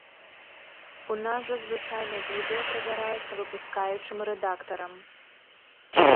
У нас жа звычайна відэа правяраецца выпускаючым рэдактарам.